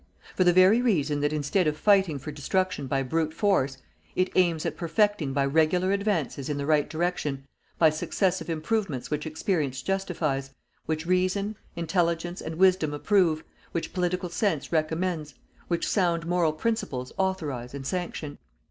For the very reason that instead of fighting for destruction by brute force, it aims at perfecting by regular advances in the right direction, by successive improvements which experience justifies, which reason, intelligence and wisdom approve, which political sense recommends, which sound moral principles authorize and sanction.